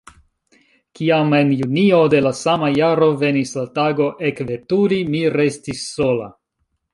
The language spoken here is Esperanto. Kiam en junio de la sama jaro venis la tago ekveturi, mi restis sola.